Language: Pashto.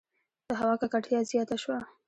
• د هوا ککړتیا زیاته شوه.